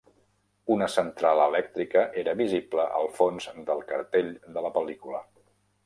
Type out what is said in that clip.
Una central elèctrica era visible al fons del cartell de la pel·lícula.